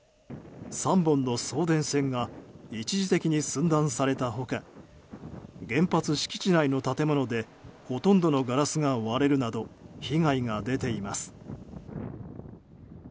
３本の送電線が一時的に寸断された他原発敷地内の建物でほとんどのガラスが割れるなど被害が出ています。